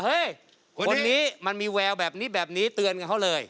คนนี้มันมีแววแบบนี้แบบนี้เตือนกับเขาเลย